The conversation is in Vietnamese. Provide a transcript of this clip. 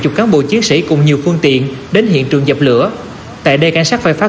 chục cán bộ chiến sĩ cùng nhiều phương tiện đến hiện trường dập lửa tại đây cảnh sát phải phát